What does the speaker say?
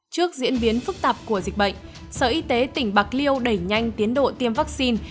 trước diễn biến phức tạp của dịch bệnh sở y tế tỉnh bạc liêu đẩy nhanh tiến độ tiêm vaccine